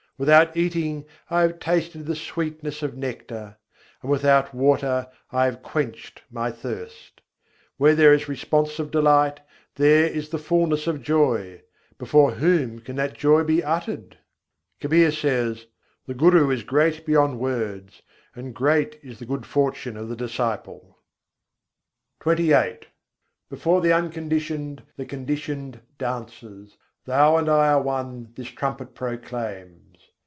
Without eating, I have tasted of the sweetness of nectar; and without water, I have quenched my thirst. Where there is the response of delight, there is the fullness of joy. Before whom can that joy be uttered? Kabîr says: "The Guru is great beyond words, and great is the good fortune of the disciple." XXVIII II. 85. nirgun âge sargun nâcai Before the Unconditioned, the Conditioned dances: "Thou and I are one!" this trumpet proclaims.